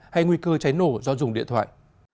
hay nguy cơ cháy nổ do dùng điện thoại